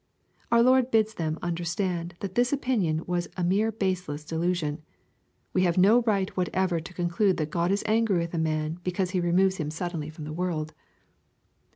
Our Lord bids them understand that this opinion was a mere baseless delusion. We have no right whatever to conclude that God is angry with a man because He rPTUoves him suddenly from the world.